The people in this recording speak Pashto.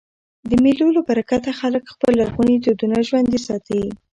د مېلو له برکته خلک خپل لرغوني دودونه ژوندي ساتي.